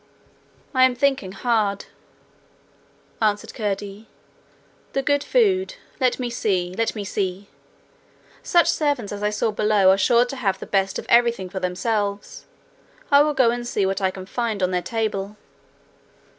'I am thinking hard,' answered Curdie. 'The good food? Let me see let me see! Such servants as I saw below are sure to have the best of everything for themselves: I will go an see what I can find on their table.'